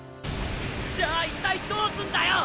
じゃあ一体どうすんだよ！